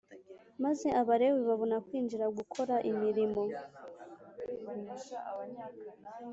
Maze Abalewi babona kwinjira gukora imirimo